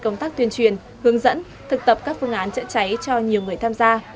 công tác tuyên truyền hướng dẫn thực tập các phương án chữa cháy cho nhiều người tham gia